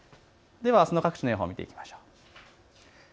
では、あすの各地の予報を見ていきましょう。